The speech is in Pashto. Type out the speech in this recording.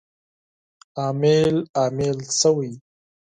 امیل، امیل شوی